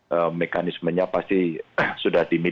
jadi mekanismenya pasti sudah dimiliki